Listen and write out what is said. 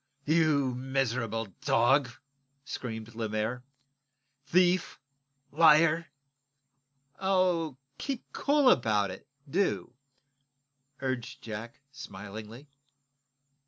"You miser r r rable dog!" screamed Lemaire. "Thief! Liar!" "Oh, keep cool about it, do," urged Jack, smilingly.